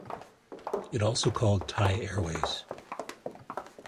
It also called Thai Airways.